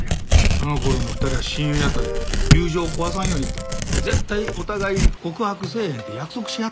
その頃の２人は親友やったで友情を壊さんようにと絶対お互い告白せえへんって約束しはったんやって。